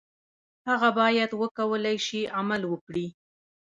هغه باید وکولای شي عمل وکړي.